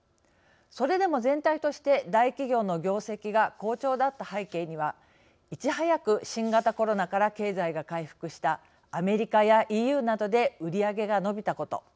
それでも、全体として大企業の業績が好調だった背景にはいち早く新型コロナから経済が回復したアメリカやＥＵなどで売り上げが伸びたこと。